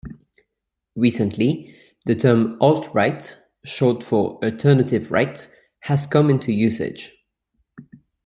Recently the term alt-right, short for "alternative right," has come into usage.